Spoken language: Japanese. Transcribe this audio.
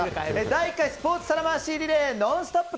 第１回スポーツ皿回しリレー「ノンストップ！」